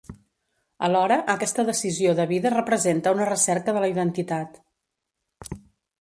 Alhora, aquesta decisió de vida representa una recerca de la identitat.